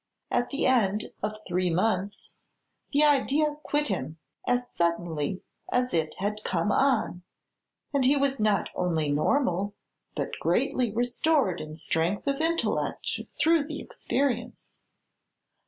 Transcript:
At the end of three months the idea quit him as suddenly as it had come on, and he was not only normal but greatly restored in strength of intellect through the experience.